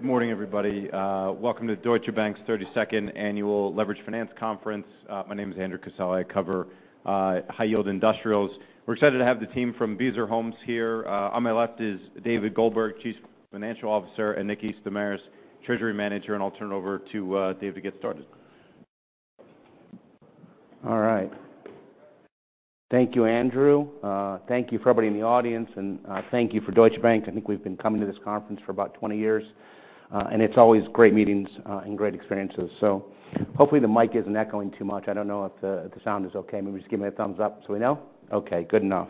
Good morning, everybody. Welcome to Deutsche Bank's thirty-second annual Leveraged Finance Conference. My name is Andrew Kissell. I cover high-yield industrials. We're excited to have the team from Beazer Homes here. On my left is David Goldberg, Chief Financial Officer, and Nikki Stamaris, Treasury Manager, and I'll turn it over to Dave to get started. All right. Thank you, Andrew. Thank you for everybody in the audience, and thank you for Deutsche Bank. I think we've been coming to this conference for about twenty years, and it's always great meetings, and great experiences. So hopefully, the mic isn't echoing too much. I don't know if the sound is okay. Maybe just give me a thumbs up, so we know. Okay, good enough.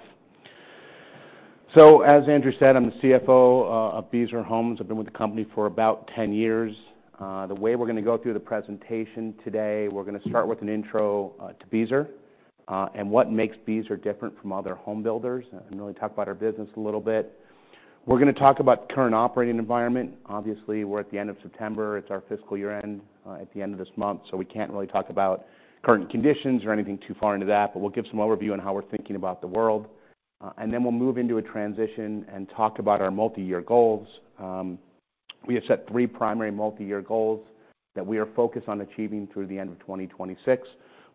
So, as Andrew said, I'm the CFO of Beazer Homes. I've been with the company for about ten years. The way we're going to go through the presentation today, we're going to start with an intro to Beazer, and what makes Beazer different from other home builders, and really talk about our business a little bit. We're going to talk about the current operating environment. Obviously, we're at the end of September. It's our fiscal year-end, at the end of this month, so we can't really talk about current conditions or anything too far into that, but we'll give some overview on how we're thinking about the world. And then we'll move into a transition and talk about our multi-year goals. We have set three primary multi-year goals that we are focused on achieving through the end of2026.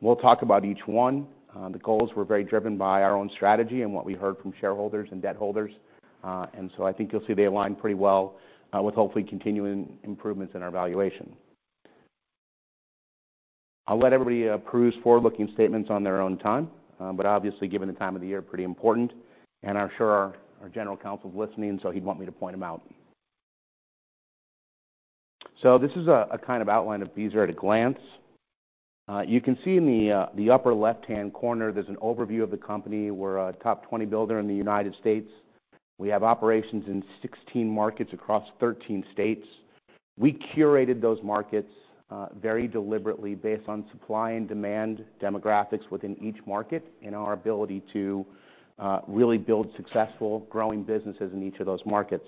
We'll talk about each one. The goals were very driven by our own strategy and what we heard from shareholders and debt holders. And so I think you'll see they align pretty well, with hopefully continuing improvements in our valuation. I'll let everybody peruse forward-looking statements on their own time, but obviously, given the time of the year, pretty important, and I'm sure our General Counsel is listening, so he'd want me to point them out. So this is a kind of outline of Beazer at a glance. You can see in the upper left-hand corner, there's an overview of the company. We're a top twenty builder in the United States. We have operations in 16 markets across thirteen states. We curated those markets very deliberately based on supply and demand, demographics within each market, and our ability to really build successful, growing businesses in each of those markets.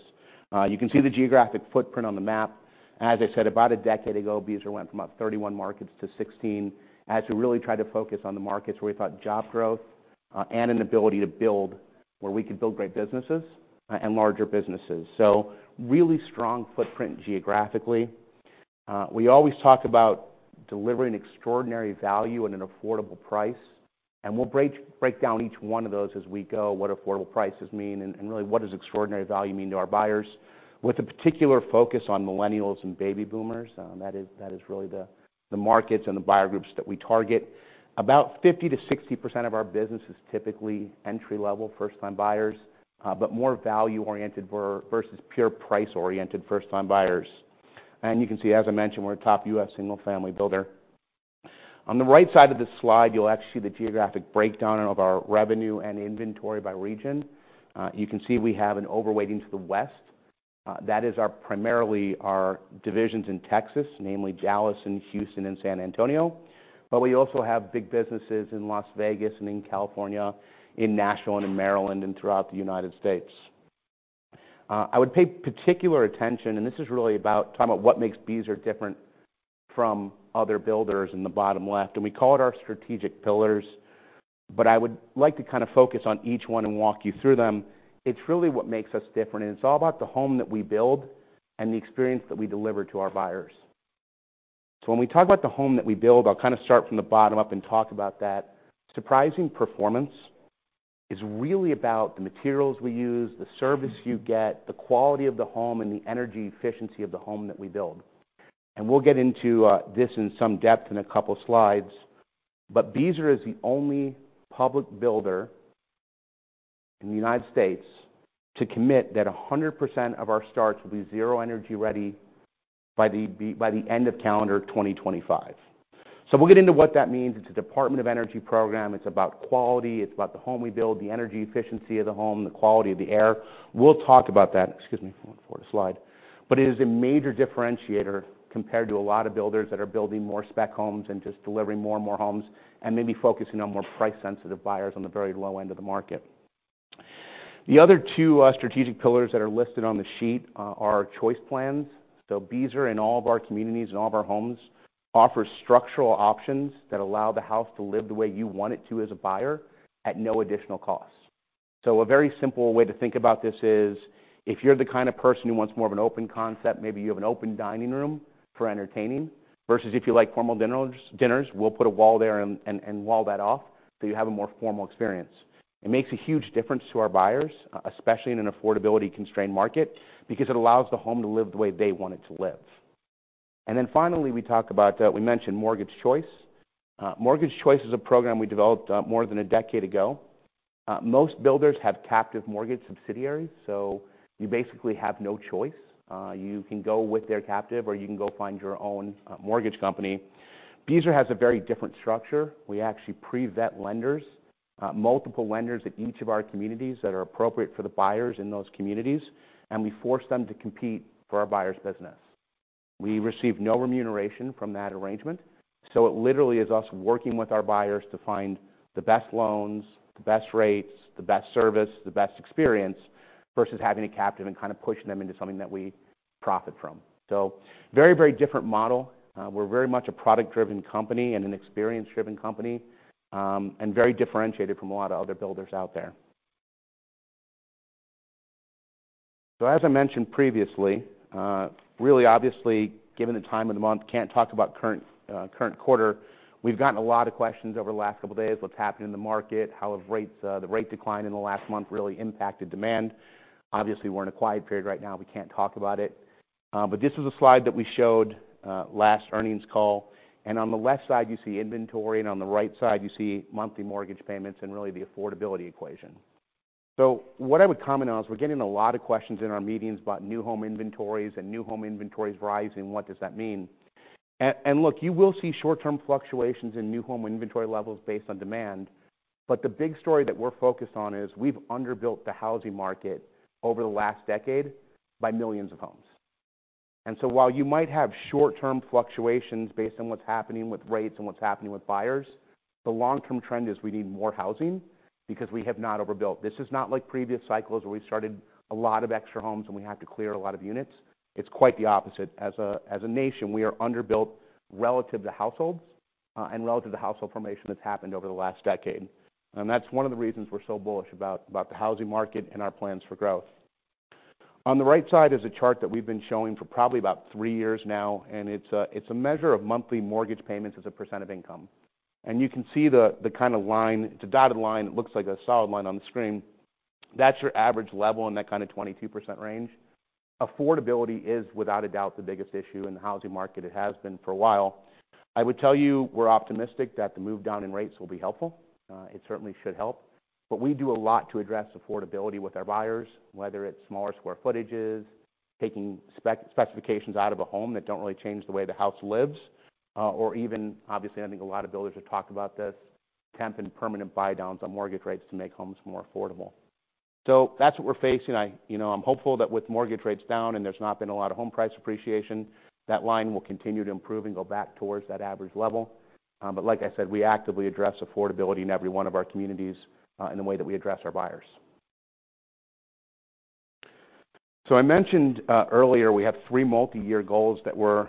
You can see the geographic footprint on the map. As I said, about a decade ago, Beazer went from about 31 markets to 16, as we really tried to focus on the markets where we thought job growth and an ability to build... where we could build great businesses and larger businesses. So really strong footprint geographically. We always talk about delivering extraordinary value at an affordable price, and we'll break down each one of those as we go, what affordable prices mean, and really, what does extraordinary value mean to our buyers, with a particular focus on millennials and baby boomers. That is really the markets and the buyer groups that we target. About 50% to60% of our business is typically entry-level, first-time buyers, but more value-oriented versus pure price-oriented first-time buyers. And you can see, as I mentioned, we're a top U.S. single-family builder. On the right side of this slide, you'll actually see the geographic breakdown of our revenue and inventory by region. You can see we have an over-weighting to the west. That is our, primarily our divisions in Texas, namely Dallas and Houston and San Antonio, but we also have big businesses in Las Vegas and in California, in Nashville, and in Maryland, and throughout the United States. I would pay particular attention, and this is really about talking about what makes Beazer different from other builders in the bottom left, and we call it our strategic pillars, but I would like to kind of focus on each one and walk you through them. It's really what makes us different, and it's all about the home that we build and the experience that we deliver to our buyers. So when we talk about the home that we build, I'll kind of start from the bottom up and talk about that. Surprising Performance is really about the materials we use, the service you get, the quality of the home, and the energy efficiency of the home that we build. And we'll get into this in some depth in a couple slides, but Beazer is the only public builder in the United States to commit that 100% of our starts will be Zero Energy Ready by the end of calendar 2025. So we'll get into what that means. It's a Department of Energy program. It's about quality, it's about the home we build, the energy efficiency of the home, the quality of the air. We'll talk about that. Excuse me, forward a slide. But it is a major differentiator compared to a lot of builders that are building more spec homes and just delivering more and more homes and maybe focusing on more price-sensitive buyers on the very low end of the market. The other two strategic pillars that are listed on the sheet are Choice Plans. So Beazer, in all of our communities and all of our homes, offers structural options that allow the house to live the way you want it to as a buyer at no additional cost. So a very simple way to think about this is, if you're the kind of person who wants more of an open concept, maybe you have an open dining room for entertaining, versus if you like formal dinners, we'll put a wall there and wall that off, so you have a more formal experience. It makes a huge difference to our buyers, especially in an affordability-constrained market, because it allows the home to live the way they want it to live, and then finally, we talk about, we mentioned Mortgage Choice. Mortgage Choice is a program we developed, more than a decade ago. Most builders have captive mortgage subsidiaries, so you basically have no choice. You can go with their captive, or you can go find your own, mortgage company. Beazer has a very different structure. We actually pre-vet lenders, multiple lenders in each of our communities that are appropriate for the buyers in those communities, and we force them to compete for our buyers' business. We receive no remuneration from that arrangement, so it literally is us working with our buyers to find the best loans, the best rates, the best service, the best experience, versus having a captive and kind of pushing them into something that we profit from. So very, very different model. We're very much a product-driven company and an experience-driven company, and very differentiated from a lot of other builders out there. So as I mentioned previously, really obviously, given the time of the month, can't talk about current quarter. We've gotten a lot of questions over the last couple of days. What's happening in the market? How have rates, the rate decline in the last month really impacted demand? Obviously, we're in a quiet period right now, we can't talk about it. But this is a slide that we showed last earnings call, and on the left side, you see inventory, and on the right side, you see monthly mortgage payments and really the affordability equation. So what I would comment on is we're getting a lot of questions in our meetings about new home inventories and new home inventories rising. What does that mean? And look, you will see short-term fluctuations in new home inventory levels based on demand. But the big story that we're focused on is we've underbuilt the housing market over the last decade by millions of homes. And so while you might have short-term fluctuations based on what's happening with rates and what's happening with buyers, the long-term trend is we need more housing because we have not overbuilt. This is not like previous cycles, where we started a lot of extra homes, and we had to clear a lot of units. It's quite the opposite. As a nation, we are underbuilt relative to households and relative to household formation that's happened over the last decade. And that's one of the reasons we're so bullish about the housing market and our plans for growth. On the right side is a chart that we've been showing for probably about three years now, and it's a measure of monthly mortgage payments as a % of income. And you can see the kind of line; it's a dotted line. It looks like a solid line on the screen. That's your average level in that kind of 22% range. Affordability is, without a doubt, the biggest issue in the housing market. It has been for a while. I would tell you we're optimistic that the move down in rates will be helpful. It certainly should help. But we do a lot to address affordability with our buyers, whether it's smaller square footages, taking specifications out of a home that don't really change the way the house lives, or even obviously, I think a lot of builders have talked about this, temp and permanent buydowns on mortgage rates to make homes more affordable. So that's what we're facing. You know, I'm hopeful that with mortgage rates down and there's not been a lot of home price appreciation, that line will continue to improve and go back towards that average level. But like I said, we actively address affordability in every one of our communities, in the way that we address our buyers. I mentioned earlier, we have three multi-year goals that we're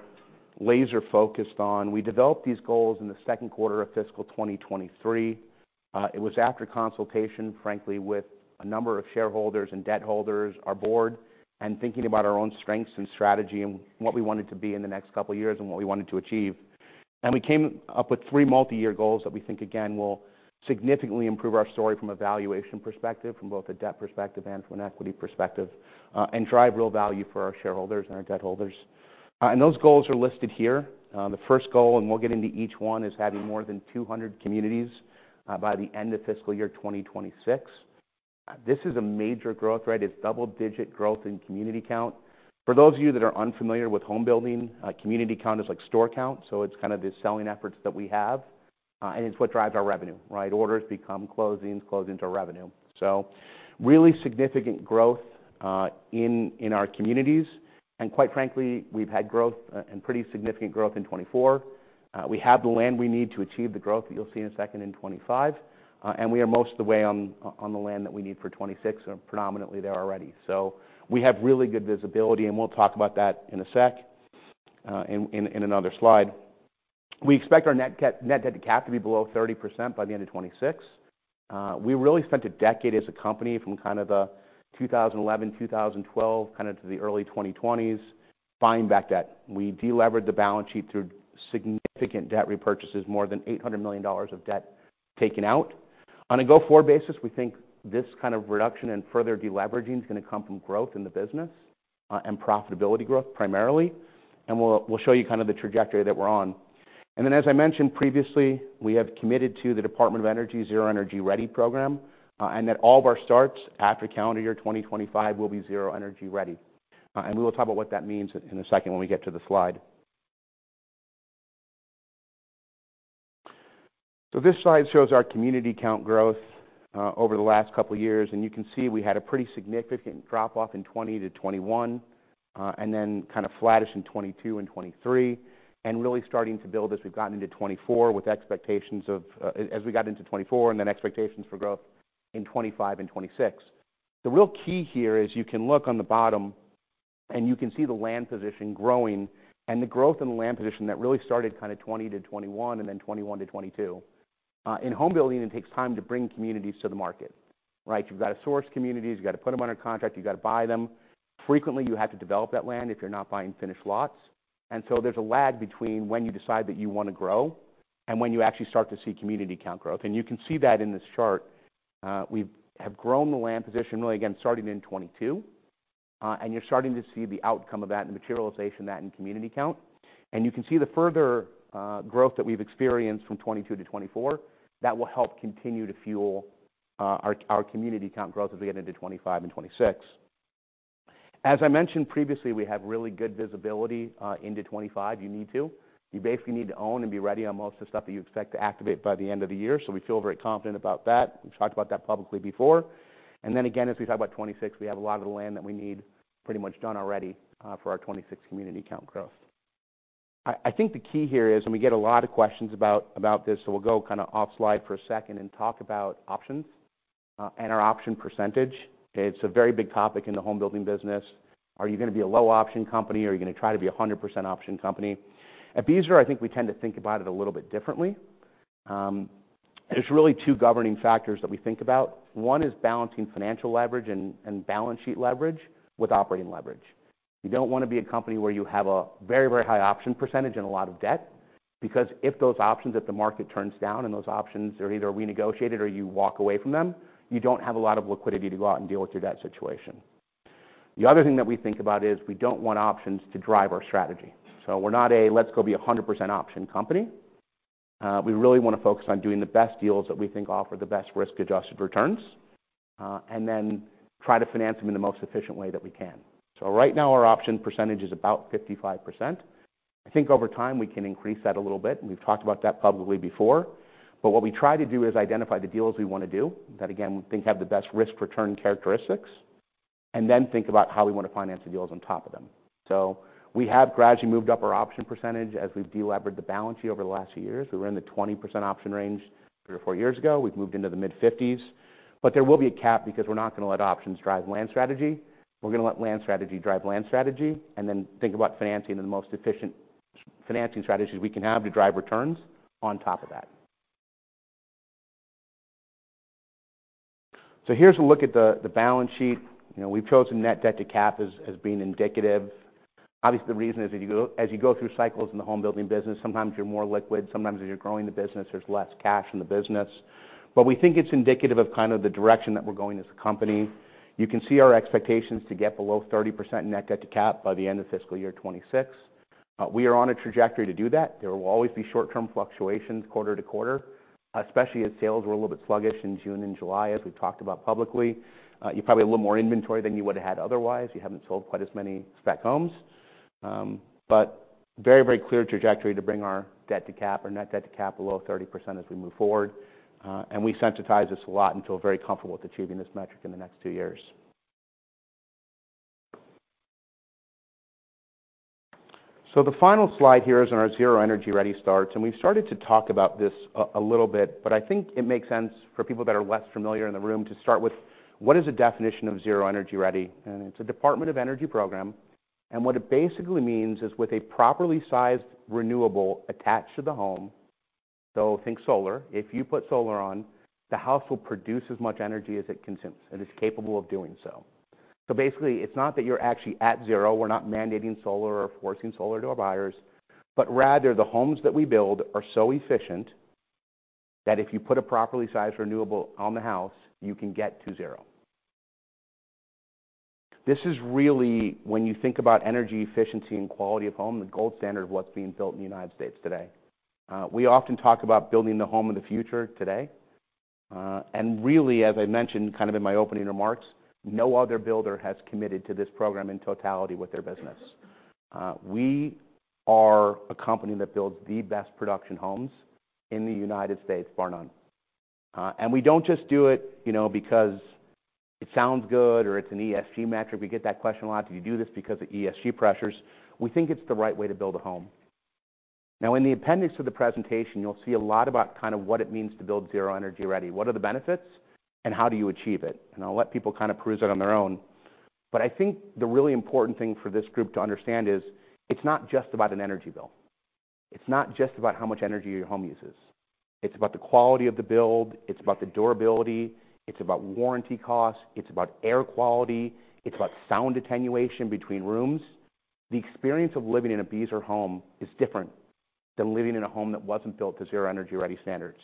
laser-focused on. We developed these goals in the Q2 of fiscal 2023. It was after consultation, frankly, with a number of shareholders and debt holders, our board, and thinking about our own strengths and strategy and what we wanted to be in the next couple of years and what we wanted to achieve. And we came up with three multi-year goals that we think, again, will significantly improve our story from a valuation perspective, from both a debt perspective and from an equity perspective, and drive real value for our shareholders and our debt holders. And those goals are listed here. The first goal, and we'll get into each one, is having more than 200 communities by the end of fiscal year 2026. This is a major growth, right? It's double-digit growth in community count. For those of you that are unfamiliar with home building, community count is like store count, so it's kind of the selling efforts that we have, and it's what drives our revenue, right? Orders become closings, closings are revenue. Really significant growth in our communities, and quite frankly, we've had growth and pretty significant growth in 2024. We have the land we need to achieve the growth that you'll see in a second in 2025, and we are most of the way on the land that we need for 2026, and predominantly there already. We have really good visibility, and we'll talk about that in a sec in another slide. We expect our net debt to cap to be below 30% by the end of 2026. We really spent a decade as a company from kind of the 2011, 2012, kind of to the early 2020s, buying back debt. We delevered the balance sheet through significant debt repurchases, more than $800 million of debt taken out. On a go-forward basis, we think this kind of reduction and further deleveraging is going to come from growth in the business, and profitability growth primarily, and we'll show you kind of the trajectory that we're on. Then, as I mentioned previously, we have committed to the Department of Energy Zero Energy Ready program, and that all of our starts after calendar year 2025 will be Zero Energy Ready. And we will talk about what that means in a second when we get to the slide. This slide shows our community count growth over the last couple of years, and you can see we had a pretty significant drop-off in 2020 to 2021, and then kind of flattish in 2022 and 2023, and really starting to build as we've gotten into 2024, and then expectations for growth in 2025 and 2026. The real key here is you can look on the bottom, and you can see the land position growing and the growth in the land position that really started kind of 2020 to 2021 and then 2021 to 2022. In home building, it takes time to bring communities to the market, right? You've got to source communities, you've got to put them under contract, you've got to buy them. Frequently, you have to develop that land if you're not buying finished lots. And so there's a lag between when you decide that you want to grow and when you actually start to see community count growth. And you can see that in this chart. We've grown the land position, really, again, starting in 2022, and you're starting to see the outcome of that and materialization that in community count. And you can see the further growth that we've experienced from 2022 to 2024, that will help continue to fuel our community count growth as we get into 2025 and 2026. As I mentioned previously, we have really good visibility into 2025. You need to. You basically need to own and be ready on most of the stuff that you expect to activate by the end of the year. So we feel very confident about that. We've talked about that publicly before. And then again, as we talk about 2026, we have a lot of the land that we need pretty much done already for our 2026 community count growth. I think the key here is, and we get a lot of questions about this, so we'll go kind of off slide for a second and talk about options and our option percentage. Okay? It's a very big topic in the home building business. Are you going to be a low-option company? Are you going to try to be a 100% option company? At Beazer, I think we tend to think about it a little bit differently. There's really two governing factors that we think about. One is balancing financial leverage and balance sheet leverage with operating leverage. You don't want to be a company where you have a very, very high option percentage and a lot of debt, because if those options, if the market turns down and those options are either renegotiated or you walk away from them, you don't have a lot of liquidity to go out and deal with your debt situation. The other thing that we think about is we don't want options to drive our strategy. So we're not a let's go be a 100% option company. We really want to focus on doing the best deals that we think offer the best risk-adjusted returns, and then try to finance them in the most efficient way that we can. So right now, our option percentage is about 55%. I think over time, we can increase that a little bit, and we've talked about that publicly before. But what we try to do is identify the deals we want to do, that again, we think have the best risk-return characteristics, and then think about how we want to finance the deals on top of them. So we have gradually moved up our option percentage as we've delevered the balance sheet over the last few years. We were in the 20% option range three or four years ago. We've moved into the mid-50s%, but there will be a cap because we're not going to let options drive land strategy. We're going to let land strategy drive land strategy, and then think about financing in the most efficient financing strategies we can have to drive returns on top of that. So here's a look at the balance sheet. You know, we've chosen net debt to cap as being indicative. Obviously, the reason is that as you go through cycles in the home building business, sometimes you're more liquid, sometimes as you're growing the business, there's less cash in the business. But we think it's indicative of kind of the direction that we're going as a company. You can see our expectations to get below 30% net debt to cap by the end of fiscal year 2026. We are on a trajectory to do that. There will always be short-term fluctuations quarter to quarter, especially as sales were a little bit sluggish in June and July, as we've talked about publicly. You probably have a little more inventory than you would have had otherwise. You haven't sold quite as many spec homes, but very, very clear trajectory to bring our debt to cap or net debt to cap below 30% as we move forward. And we sensitize this a lot until very comfortable with achieving this metric in the next two years. So the final slide here is on our Zero Energy Ready starts, and we've started to talk about this a little bit, but I think it makes sense for people that are less familiar in the room to start with, what is the definition of Zero Energy Ready? And it's a Department of Energy program, and what it basically means is with a properly sized renewable attached to the home, so think solar. If you put solar on, the house will produce as much energy as it consumes, and it's capable of doing so. So basically, it's not that you're actually at zero. We're not mandating solar or forcing solar to our buyers, but rather, the homes that we build are so efficient that if you put a properly sized renewable on the house, you can get to zero. This is really when you think about energy efficiency and quality of home, the gold standard of what's being built in the United States today. We often talk about building the home of the future today, and really, as I mentioned, kind of in my opening remarks, no other builder has committed to this program in totality with their business. We are a company that builds the best production homes in the United States, bar none, and we don't just do it, you know, because it sounds good or it's an ESG metric. We get that question a lot. Do you do this because of ESG pressures?" We think it's the right way to build a home. Now, in the appendix of the presentation, you'll see a lot about kind of what it means to build Zero Energy Ready, what are the benefits, and how do you achieve it? And I'll let people kind of cruise it on their own. But I think the really important thing for this group to understand is, it's not just about an energy bill. It's not just about how much energy your home uses. It's about the quality of the build, it's about the durability, it's about warranty costs, it's about air quality, it's about sound attenuation between rooms. The experience of living in a Beazer Home is different than living in a home that wasn't built to Zero Energy Ready standards.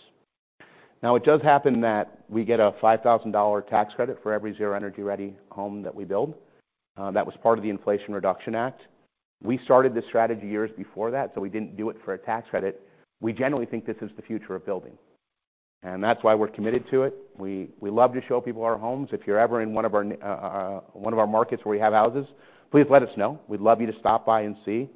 Now, it does happen that we get a $5,000 tax credit for every Zero Energy Ready home that we build. That was part of the Inflation Reduction Act. We started this strategy years before that, so we didn't do it for a tax credit. We generally think this is the future of building, and that's why we're committed to it. We love to show people our homes. If you're ever in one of our markets where we have houses, please let us know. We'd love you to stop by and see.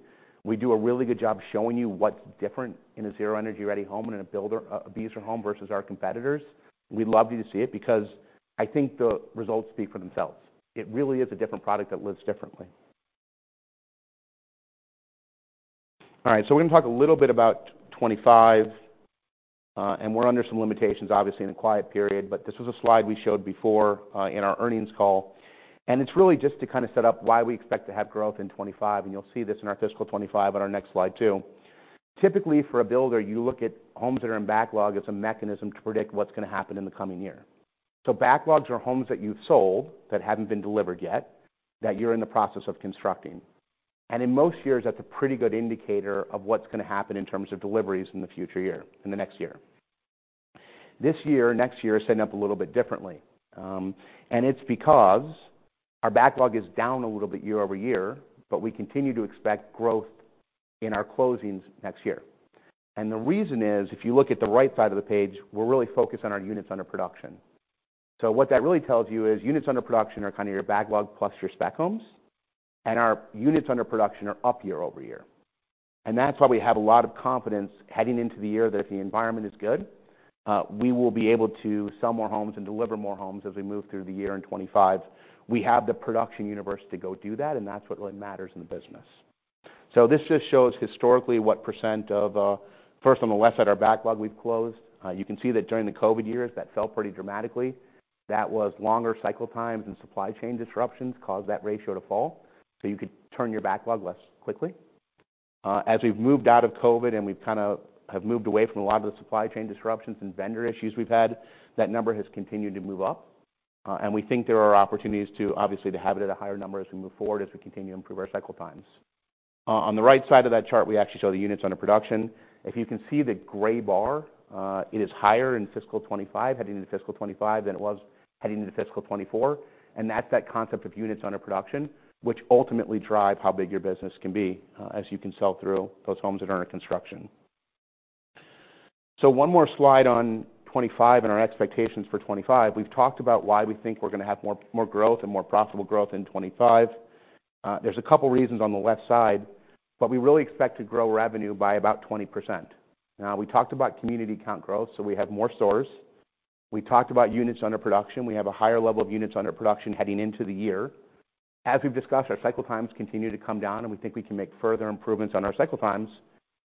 We do a really good job showing you what's different in a Zero Energy Ready home and in a builder, a Beazer Home versus our competitors. We'd love you to see it because I think the results speak for themselves. It really is a different product that lives differently. All right, so we're going to talk a little bit about 2025, and we're under some limitations, obviously, in a quiet period, but this was a slide we showed before, in our earnings call, and it's really just to kind of set up why we expect to have growth in 2025, and you'll see this in our fiscal 2025 on our next slide, too. Typically, for a builder, you look at homes that are in backlog as a mechanism to predict what's going to happen in the coming year. So backlogs are homes that you've sold that haven't been delivered yet, that you're in the process of constructing. And in most years, that's a pretty good indicator of what's going to happen in terms of deliveries in the future year, in the next year. This year, next year is setting up a little bit differently, and it's because our backlog is down a little bit year over year, but we continue to expect growth in our closings next year, and the reason is, if you look at the right side of the page, we're really focused on our units under production, so what that really tells you is units under production are kind of your backlog plus your spec homes, and our units under production are up year over year, and that's why we have a lot of confidence heading into the year that if the environment is good, we will be able to sell more homes and deliver more homes as we move through the year in 2025. We have the production universe to go do that, and that's what really matters in the business... This just shows historically what percent of, first on the left side, our backlog we've closed. You can see that during the COVID years, that fell pretty dramatically. That was longer cycle times and supply chain disruptions caused that ratio to fall, so you could turn your backlog less quickly. As we've moved out of COVID, and we've kind of have moved away from a lot of the supply chain disruptions and vendor issues we've had, that number has continued to move up, and we think there are opportunities to, obviously, to have it at a higher number as we move forward, as we continue to improve our cycle times. On the right side of that chart, we actually show the units under production. If you can see the gray bar, it is higher in fiscal 2025, heading into fiscal 2025, than it was heading into fiscal 2024, and that's that concept of units under production, which ultimately drive how big your business can be, as you can sell through those homes that are under construction. So one more slide on 2025 and our expectations for 2025. We've talked about why we think we're going to have more growth and more profitable growth in 2025. There's a couple reasons on the left side, but we really expect to grow revenue by about 20%. Now, we talked about community count growth, so we have more communities. We talked about units under production. We have a higher level of units under production heading into the year. As we've discussed, our cycle times continue to come down, and we think we can make further improvements on our cycle times.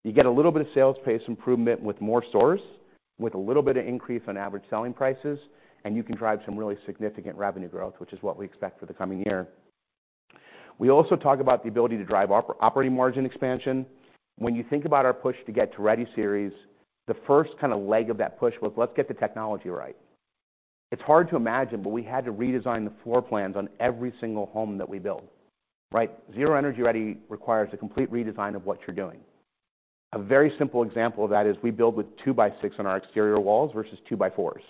You get a little bit of sales pace improvement with more stores, with a little bit of increase on average selling prices, and you can drive some really significant revenue growth, which is what we expect for the coming year. We also talk about the ability to drive operating margin expansion. When you think about our push to get to Ready Series, the first kind of leg of that push was, let's get the technology right. It's hard to imagine, but we had to redesign the floor plans on every single home that we built, right? Zero Energy Ready requires a complete redesign of what you're doing. A very simple example of that is we build with two-by-six on our exterior walls versus two-by-fours.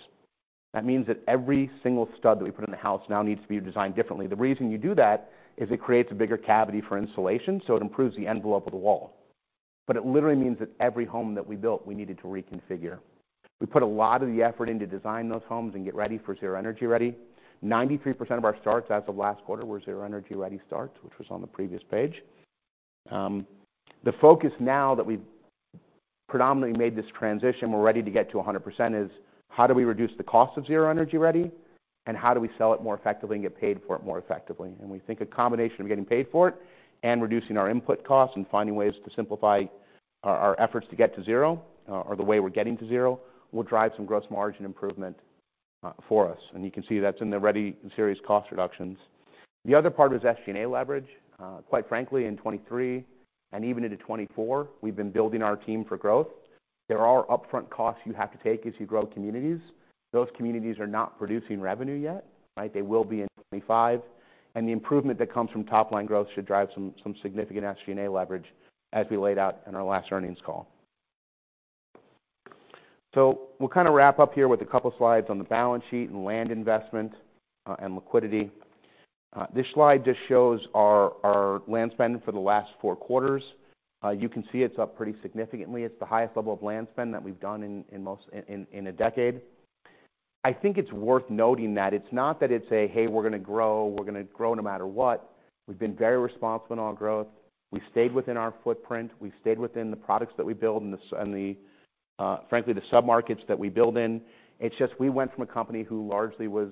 That means that every single stud that we put in the house now needs to be designed differently. The reason you do that is it creates a bigger cavity for insulation, so it improves the envelope of the wall. But it literally means that every home that we built, we needed to reconfigure. We put a lot of the effort into designing those homes and get ready for Zero Energy Ready. 93% of our starts as of last quarter were Zero Energy Ready starts, which was on the previous page. The focus now that we've predominantly made this transition, we're ready to get to 100%, is how do we reduce the cost of Zero Energy Ready? And how do we sell it more effectively and get paid for it more effectively? We think a combination of getting paid for it and reducing our input costs and finding ways to simplify our efforts to get to zero, or the way we're getting to zero, will drive some gross margin improvement for us. You can see that's in the Ready Series cost reductions. The other part was SG&A leverage. Quite frankly, in 2023, and even into 2024, we've been building our team for growth. There are upfront costs you have to take as you grow communities. Those communities are not producing revenue yet, right? They will be in 2025, and the improvement that comes from top-line growth should drive some significant SG&A leverage, as we laid out in our last earnings call. We'll kind of wrap up here with a couple slides on the balance sheet and land investment, and liquidity. This slide just shows our land spend for the last four quarters. You can see it's up pretty significantly. It's the highest level of land spend that we've done in a decade. I think it's worth noting that it's not that it's a "Hey, we're going to grow. We're going to grow no matter what." We've been very responsible in all growth. We've stayed within our footprint. We've stayed within the products that we build and the, frankly, the submarkets that we build in. It's just we went from a company who largely was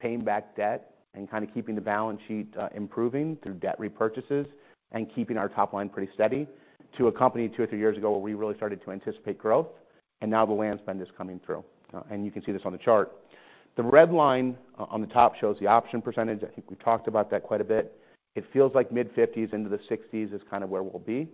paying back debt and kind of keeping the balance sheet improving through debt repurchases and keeping our top line pretty steady, to a company two or three years ago, where we really started to anticipate growth, and now the land spend is coming through. And you can see this on the chart. The red line on the top shows the option percentage. I think we talked about that quite a bit. It feels like mid-50s to 60s is kind of where we'll be.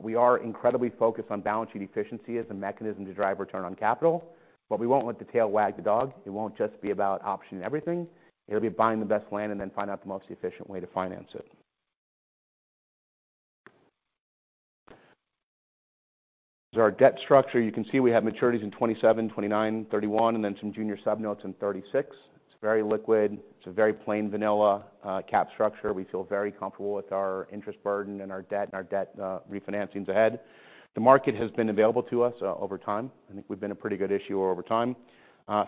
We are incredibly focused on balance sheet efficiency as a mechanism to drive return on capital, but we won't let the tail wag the dog. It won't just be about optioning everything. It'll be buying the best land and then find out the most efficient way to finance it. Here's our debt structure. You can see we have maturities in 2027, 2029, and 2031, and then some junior sub-notes in 2036. It's very liquid. It's a very plain vanilla cap structure. We feel very comfortable with our interest burden and our debt, and our debt refinancings ahead. The market has been available to us over time. I think we've been a pretty good issuer over time.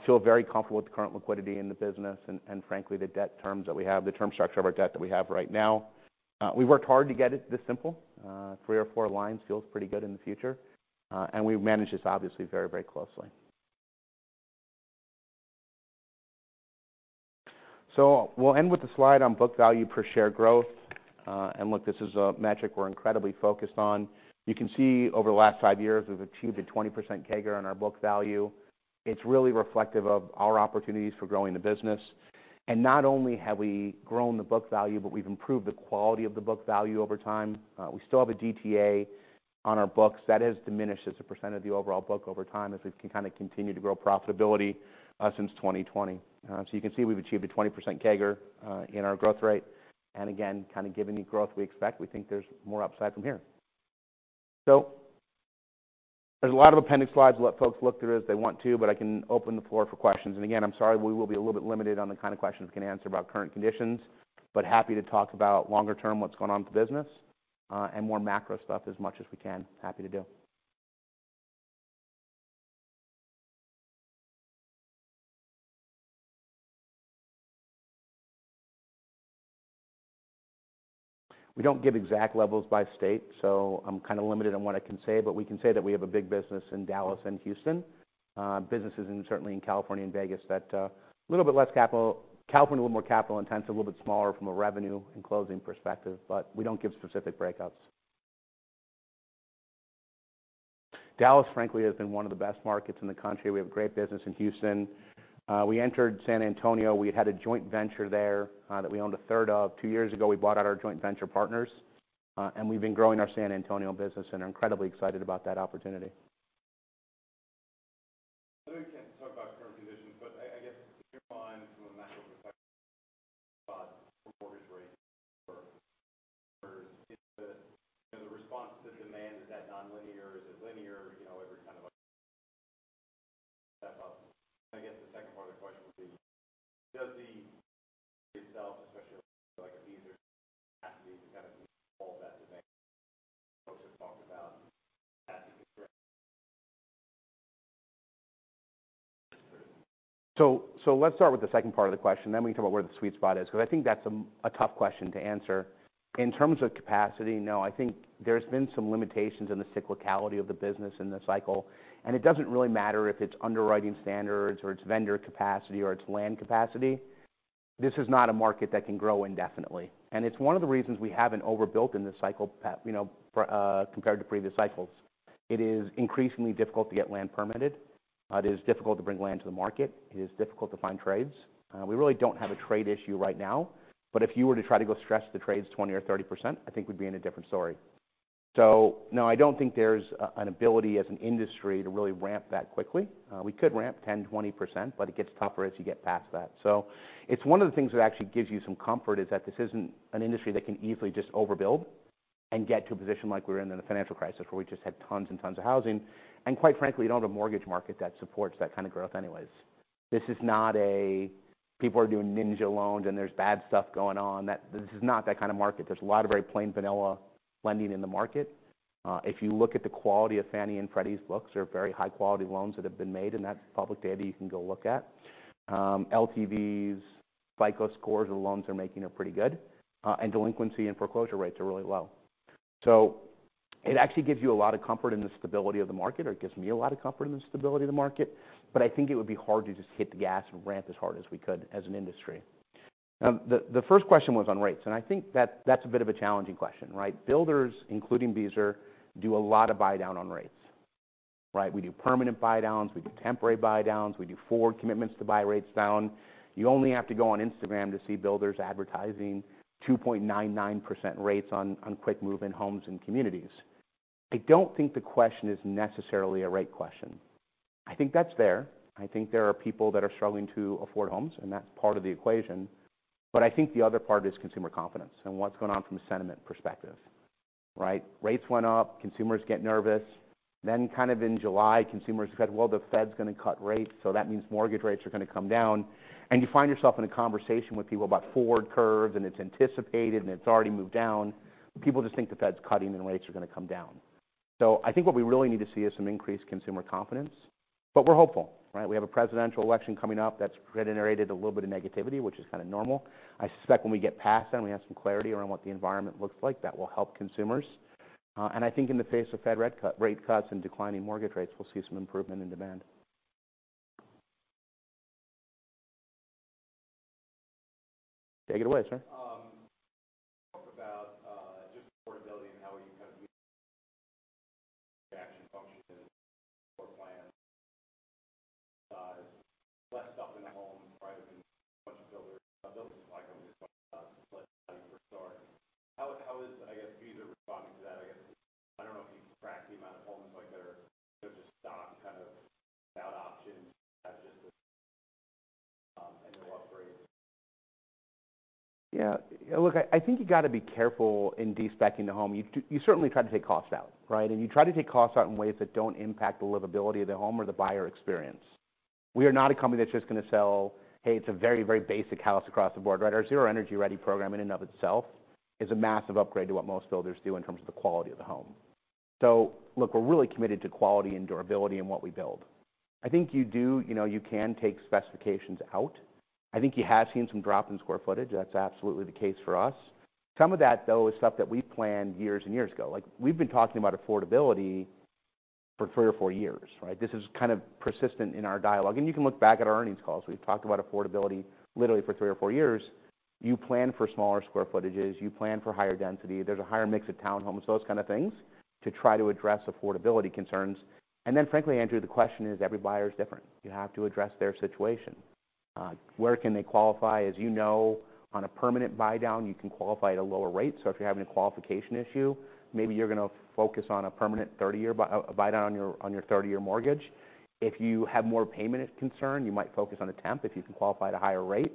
Feel very comfortable with the current liquidity in the business and, and frankly, the debt terms that we have, the term structure of our debt that we have right now. We worked hard to get it this simple. Three or four lines feels pretty good in the future, and we manage this obviously very, very closely. We'll end with the slide on book value per share growth. Look, this is a metric we're incredibly focused on. You can see over the last five years, we've achieved a 20% CAGR on our book value. It's really reflective of our opportunities for growing the business. And not only have we grown the book value, but we've improved the quality of the book value over time. We still have a DTA on our books. That has diminished as a percent of the overall book over time as we've kind of continued to grow profitability, since 2020. So you can see we've achieved a 20% CAGR, in our growth rate. And again, kind of given the growth we expect, we think there's more upside from here. So there's a lot of appendix slides I'll let folks look through as they want to, but I can open the floor for questions. Again, I'm sorry, we will be a little bit limited on the kind of questions we can answer about current conditions, but happy to talk about longer term, what's going on with the business, and more macro stuff as much as we can. Happy to do. We don't give exact levels by state, so I'm kind of limited on what I can say, but we can say that we have a big business in Dallas and Houston. Businesses in, certainly in California and Vegas, that, a little bit less capital. California, a little more capital intense, a little bit smaller from a revenue and closing perspective, but we don't give specific breakouts. Dallas, frankly, has been one of the best markets in the country. We have great business in Houston. We entered San Antonio. We had a joint venture there, that we owned a third of. Two years ago, we bought out our joint venture partners, and we've been growing our San Antonio business and are incredibly excited about that opportunity. I know we can't talk about current conditions, but I guess, in your mind from a macro perspective, mortgage rates, you know, the response to demand, is that nonlinear? Is it linear? You know, every kind of like, I guess the second part of the question would be, does it itself, especially like at Beazer, have to be the kind of all that demand folks have talked about? So, let's start with the second part of the question, then we can talk about where the sweet spot is, because I think that's a tough question to answer. In terms of capacity, no, I think there's been some limitations in the cyclicality of the business in the cycle, and it doesn't really matter if it's underwriting standards or it's vendor capacity or it's land capacity. This is not a market that can grow indefinitely, and it's one of the reasons we haven't overbuilt in this cycle path, you know, compared to previous cycles. It is increasingly difficult to get land permitted. It is difficult to bring land to the market. It is difficult to find trades. We really don't have a trade issue right now, but if you were to try to go stress the trades 20% or 30%, I think we'd be in a different story. So no, I don't think there's an ability as an industry to really ramp that quickly. We could ramp 10% to 20%, but it gets tougher as you get past that. So it's one of the things that actually gives you some comfort, is that this isn't an industry that can easily just overbuild and get to a position like we were in in the financial crisis, where we just had tons and tons of housing, and quite frankly, we don't have a mortgage market that supports that kind of growth anyways. This is not a, people are doing NINJA loans, and there's bad stuff going on. That. This is not that kind of market. There's a lot of very plain vanilla lending in the market. If you look at the quality of Fannie and Freddie's books, they're very high-quality loans that have been made, and that's public data you can go look at. LTVs and FICO scores of the loans that are being made are pretty good, and delinquency and foreclosure rates are really low. So it actually gives you a lot of comfort in the stability of the market, or it gives me a lot of comfort in the stability of the market, but I think it would be hard to just hit the gas and ramp as hard as we could as an industry. The first question was on rates, and I think that's a bit of a challenging question, right? Builders, including Beazer, do a lot of buy down on rates, right? We do permanent buy downs, we do temporary buy downs, we do forward commitments to buy rates down. You only have to go on Instagram to see builders advertising 2.99% rates on quick move-in homes and communities. I don't think the question is necessarily a rate question. I think that's there. I think there are people that are struggling to afford homes, and that's part of the equation. But I think the other part is consumer confidence and what's going on from a sentiment perspective, right? Rates went up, consumers get nervous. Then, kind of in July, consumers said, "Well, the Fed's going to cut rates, so that means mortgage rates are going to come down," and you find yourself in a conversation with people about forward curves, and it's anticipated, and it's already moved down. People just think the Fed's cutting and rates are going to come down. So I think what we really need to see is some increased consumer confidence, but we're hopeful, right? We have a presidential election coming up that's generated a little bit of negativity, which is kind of normal. I suspect when we get past that and we have some clarity around what the environment looks like, that will help consumers, and I think in the face of Fed rate cut, rate cuts and declining mortgage rates, we'll see some improvement in demand. Take it away, sir. I think you have seen some drop in square footage. That's absolutely the case for us. Some of that, though, is stuff that we planned years and years ago. Like, we've been talking about affordability for three or four years, right? This is kind of persistent in our dialogue, and you can look back at our earnings calls. We've talked about affordability literally for three or four years. You plan for smaller square footages, you plan for higher density. There's a higher mix of townhomes, those kind of things, to try to address affordability concerns. And then, frankly, Andrew, the question is, every buyer is different. You have to address their situation. Where can they qualify? As you know, on a permanent buy down, you can qualify at a lower rate. So if you're having a qualification issue, maybe you're going to focus on a permanent thirty-year buy down on your, on your thirty-year mortgage. If you have more payment concern, you might focus on a temp, if you can qualify at a higher rate.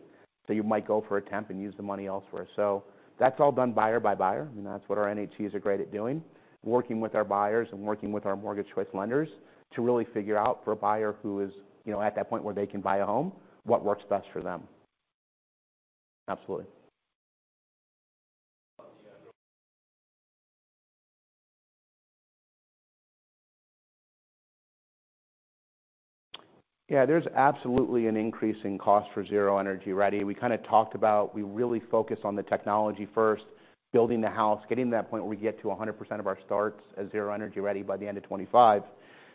So you might go for a temp and use the money elsewhere. So that's all done buyer by buyer, and that's what our NHEs are great at doing, working with our buyers and working with our Mortgage Choice lenders to really figure out for a buyer who is, you know, at that point where they can buy a home, what works best for them. Absolutely. Yeah, there's absolutely an increase in cost for Zero Energy Ready. We kind of talked about, we really focus on the technology first, building the house, getting to that point where we get to 100% of our starts as Zero Energy Ready by the end of 2025.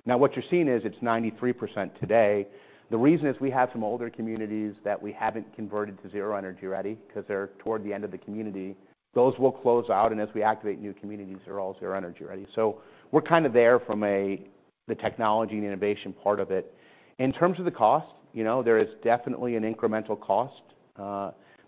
Now, what you're seeing is it's 93% today. The reason is we have some older communities that we haven't converted to Zero Energy Ready, because they're toward the end of the community. Those will close out, and as we activate new communities, they're all Zero Energy Ready. So we're kind of there from a technology and innovation part of it. In terms of the cost, you know, there is definitely an incremental cost.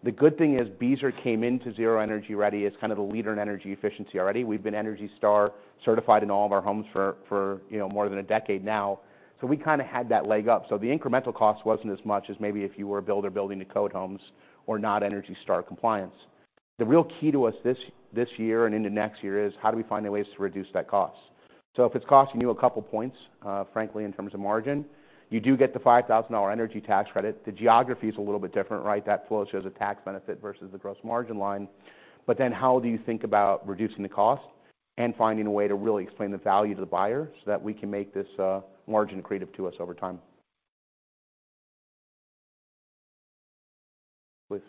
The good thing is, Beazer came into Zero Energy Ready as kind of the leader in energy efficiency already. We've been Energy Star certified in all of our homes for, you know, more than a decade now. So we kind of had that leg up. So the incremental cost wasn't as much as maybe if you were a builder building the code homes or not Energy Star compliance. The real key to us this year and into next year is how do we find the ways to reduce that cost? So if it's costing you a couple points, frankly, in terms of margin, you do get the $5,000 energy tax credit. The geography is a little bit different, right? That flows as a tax benefit versus the gross margin line. But then how do you think about reducing the cost and finding a way to really explain the value to the buyer, so that we can make this, margin accretive to us over time? Please.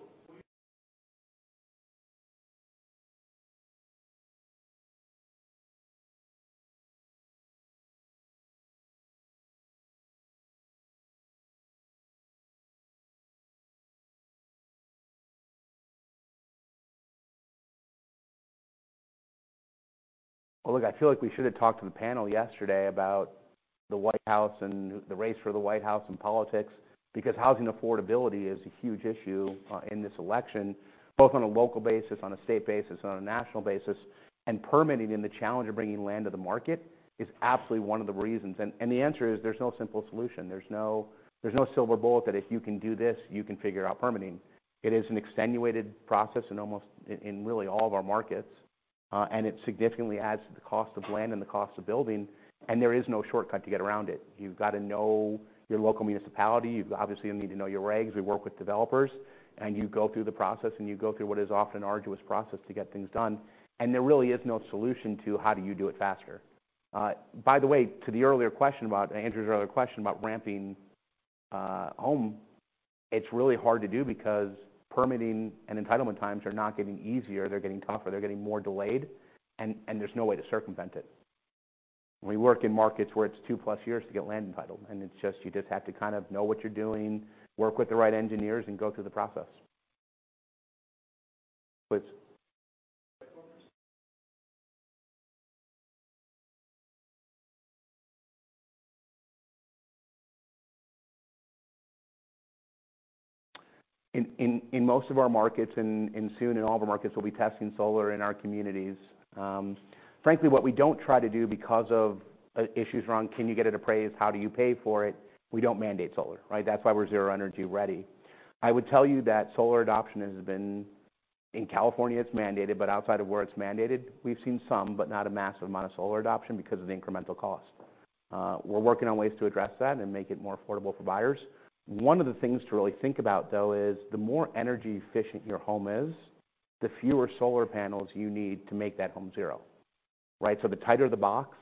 Well, look, I feel like we should have talked to the panel yesterday about the White House and the race for the White House and politics, because housing affordability is a huge issue, in this election, both on a local basis, on a state basis, and on a national basis. And permitting and the challenge of bringing land to the market is absolutely one of the reasons. And the answer is, there's no simple solution. There's no silver bullet that if you can do this, you can figure out permitting. It is an exasperating process in almost really all of our markets, and it significantly adds to the cost of land and the cost of building, and there is no shortcut to get around it. You've got to know your local municipality. You obviously need to know your regs. We work with developers, and you go through the process, and you go through what is often an arduous process to get things done. And there really is no solution to how do you do it faster. By the way, to Andrew's earlier question about ramping home, it's really hard to do because permitting and entitlement times are not getting easier, they're getting tougher, they're getting more delayed, and there's no way to circumvent it. We work in markets where it's two-plus years to get land entitled, and it's just, you just have to kind of know what you're doing, work with the right engineers, and go through the process. Please. In most of our markets, and soon in all of our markets, we'll be testing solar in our communities. Frankly, what we don't try to do because of issues around can you get it appraised, how do you pay for it? We don't mandate solar, right? That's why we're zero energy ready. I would tell you that solar adoption has been... In California, it's mandated, but outside of where it's mandated, we've seen some, but not a massive amount of solar adoption because of the incremental cost. We're working on ways to address that and make it more affordable for buyers. One of the things to really think about, though, is the more energy efficient your home is, the fewer solar panels you need to make that home zero, right? So the tighter the box,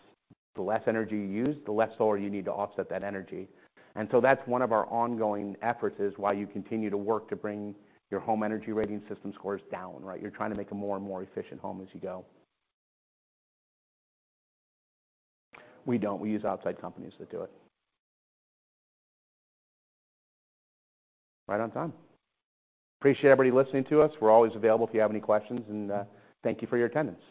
the less energy you use, the less solar you need to offset that energy. And so that's one of our ongoing efforts, is while you continue to work to bring your Home Energy Rating System scores down, right? You're trying to make a more and more efficient home as you go. We don't. We use outside companies that do it. Right on time. Appreciate everybody listening to us. We're always available if you have any questions, and thank you for your attendance.